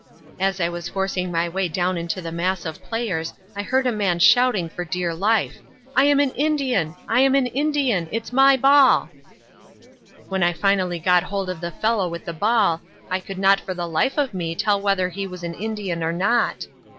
As I was forcing my way down into the mass of players I heard a man shouting for dear life: "I'm an Indian! I'm an Indian! It's my ball!" When I finally got hold of the fellow with the ball I could not for the life of me tell whether he was an Indian or not.